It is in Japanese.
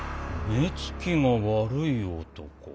目つきが悪い男。